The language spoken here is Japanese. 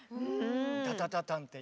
タタタタンっていう。